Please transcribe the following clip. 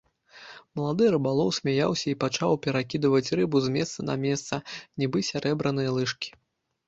Малады рыбалоў смяяўся і пачаў перакідваць рыбу з месца на месца, нібы сярэбраныя лыжкі.